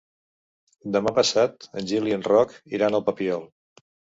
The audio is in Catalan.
Demà passat en Gil i en Roc iran al Papiol.